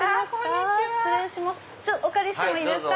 お借りしてもいいですか？